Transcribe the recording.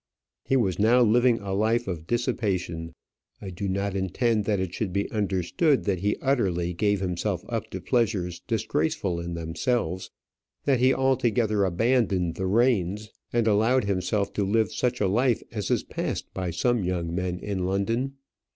He was now living a life of dissipation. I do not intend that it should be understood that he utterly gave himself up to pleasures disgraceful in themselves, that he altogether abandoned the reins, and allowed himself to live such a life as is passed by some young men in London.